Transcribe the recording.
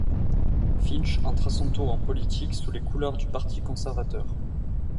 Finch entre à son tour en politique sous les couleurs du Parti conservateur.